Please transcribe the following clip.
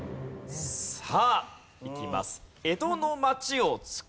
さあいきます。